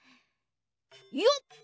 よっ！